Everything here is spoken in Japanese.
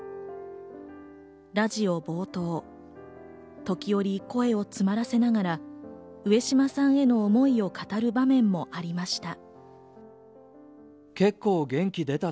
ラジオ冒頭、時折、声を詰まらせながら上島さんへの思いを語る場面もありました。